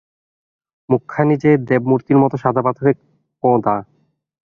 মুখখানি যে দেবমূর্তির মতো সাদা-পাথরে কোঁদা।